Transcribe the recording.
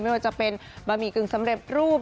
ไม่ว่าจะเป็นบะหมี่กึ่งสำเร็จรูป